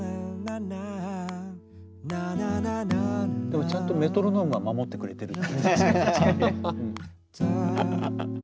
でもちゃんとメトロノームは守ってくれてる。